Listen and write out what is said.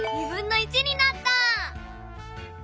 になった！